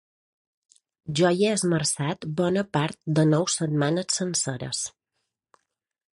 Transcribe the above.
Jo hi he esmerçat bona part de nou setmanes senceres.